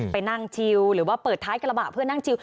ไปนั่งชิลหรือว่าเปิดท้ายกระบะเพื่อนั่งชิว